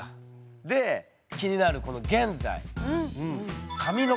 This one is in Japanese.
で気になるこの「現在」。